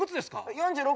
４６？